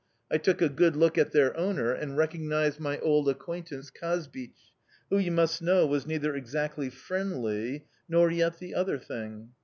I took a good look at their owner, and recognised my old acquaintance Kazbich, who, you must know, was neither exactly 'friendly' nor yet the other thing.